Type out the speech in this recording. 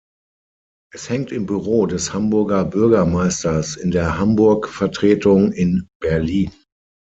Es hängt im Büro des Hamburger Bürgermeisters in der Hamburg-Vertretung in Berlin.